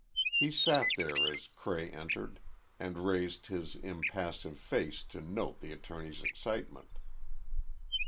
He sat there as Cray entered, and raised his impassive face to note the attorney's excitement.